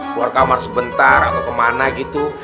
keluar kamar sebentar atau kemana gitu